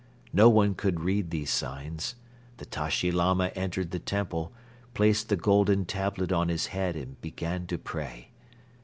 No one could read these signs. The Tashi Lama entered the temple, placed the golden tablet on his head and began to pray.